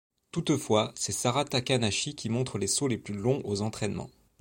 Toutefois, c'est Sara Takanashi qui montre les sauts les plus longs aux entraînements.